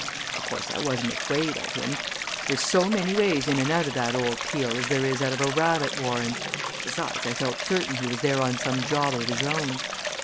Of course, I wasn't afraid of him there's so many ways in and out of that old peel as there is out of a rabbit warren besides, I felt certain he was there on some job of his own.